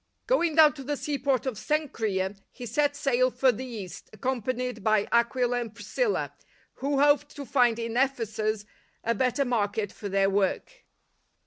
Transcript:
Going down to the seaport of Cenchrea, he set sail for the East, accom panied by Aquila and Priscilla, who hoped to find in Ephesus a better market for their work.